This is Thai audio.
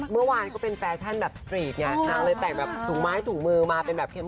เมื่อวานก็เป็นแฟชั่นสตรีตไงก็แต่งสูงม้ายสูงมือเป็นแบบเช็ม